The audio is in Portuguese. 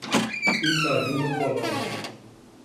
Itaju do Colônia